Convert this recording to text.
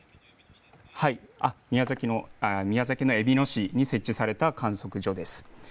はい、宮崎のえびの市に設置された観測所です。